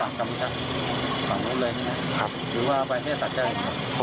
เอาออกเอาบังคับนู้นเลยนะครับหรือว่าไปแค่สัดแก้วอย่างเดียว